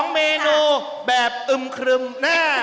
เมนูแบบอึมครึม